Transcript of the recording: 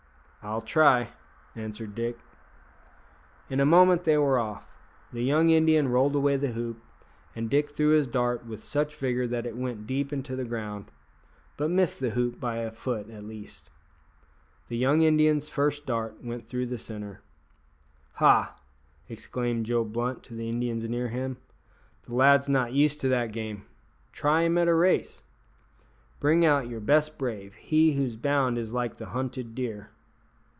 "I'll try," answered Dick. In a moment they were off. The young Indian rolled away the hoop, and Dick threw his dart with such vigour that it went deep into the ground, but missed the hoop by a foot at least. The young Indian's first dart went through the centre. "Ha!" exclaimed Joe Blunt to the Indians near him, "the lad's not used to that game; try him at a race. Bring out your best brave he whose bound is like the hunted deer."